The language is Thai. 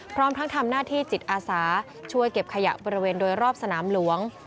พร้อมทั้งทำหน้าที่จิตอาสาช่วยเก็บขยะบริเวณโดยรอบสนามหลวง